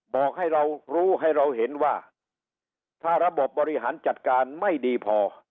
บอกให้เรารู้ให้เราเห็นว่าถ้าระบบบบริหารจัดการไม่ดีพอ